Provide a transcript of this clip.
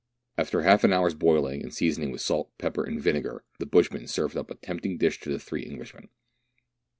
After half an hour's boiling and seasoning with salt, pepper, and vinegar, the bushman served up a tempting dish to the three English men.